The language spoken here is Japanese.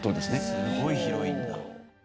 すごい広いんだ。